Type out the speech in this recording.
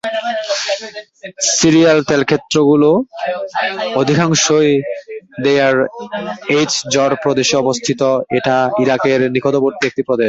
সিরিয়ার তেলক্ষেত্রগুলো অধিকাংশই ডেইয়ার-এজ-জর প্রদেশে অবস্থিত, এটা ইরাকের নিকটবর্তী একটি প্রদেশ।